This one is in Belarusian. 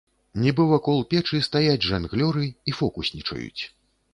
Нібы вакол печы стаяць жанглёры і фокуснічаюць.